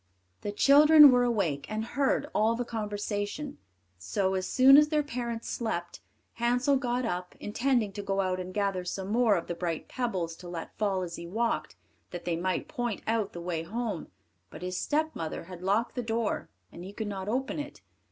The children were awake, and heard all the conversation; so, as soon as their parents slept, Hansel got up, intending to go out and gather some more of the bright pebbles to let fall as he walked, that they might point out the way home; but his stepmother had locked the door, and he could not open it.